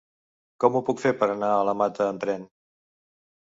Com ho puc fer per anar a la Mata amb tren?